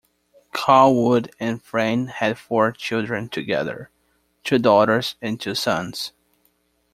Callwood and Frayne had four children together: two daughters and two sons.